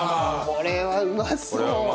これはうまそうよ。